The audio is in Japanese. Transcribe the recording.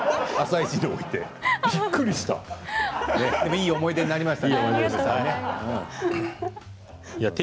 いい感じになりました。